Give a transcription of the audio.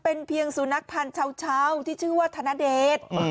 โอ้ยโอ้ยโอ้ยโอ้ยโอ้ยโอ้ยโอ้ย